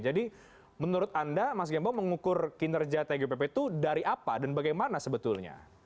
jadi menurut anda mas gembong mengukur kinerja tgupp itu dari apa dan bagaimana sebetulnya